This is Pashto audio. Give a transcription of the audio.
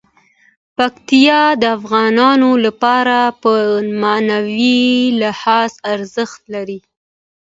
پکتیا د افغانانو لپاره په معنوي لحاظ ارزښت لري.